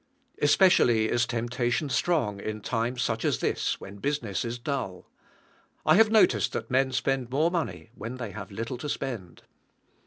Especially is temptation strong in such times as this, when business is dull. I have noticed that men spend more money when they have little to spend.